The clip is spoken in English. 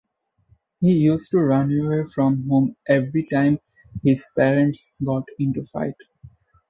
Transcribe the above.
He used to run away from home every time his parents got into fight.